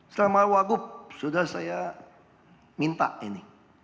selama wagub sudah saya minta ini